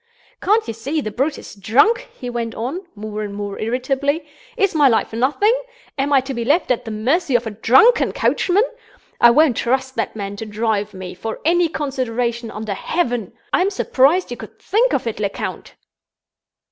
"Can't you see the brute is drunk?" he went on, more and more irritably. "Is my life nothing? Am I to be left at the mercy of a drunken coachman? I won't trust that man to drive me, for any consideration under heaven! I'm surprised you could think of it, Lecount."